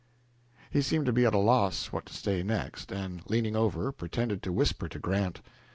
He seemed to be at a loss what to say next, and, leaning over, pretended to whisper to Grant.